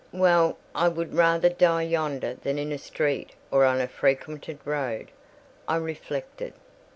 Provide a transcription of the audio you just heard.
"Well, I would rather die yonder than in a street or on a frequented road," I reflected.